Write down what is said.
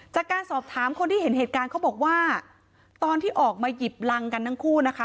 จากการสอบถามคนที่เห็นเหตุการณ์เขาบอกว่าตอนที่ออกมาหยิบรังกันทั้งคู่นะคะ